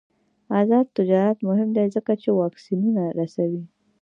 آزاد تجارت مهم دی ځکه چې واکسینونه رسوي.